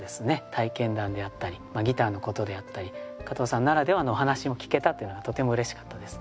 体験談であったりギターのことであったり加藤さんならではのお話も聞けたというのはとてもうれしかったです。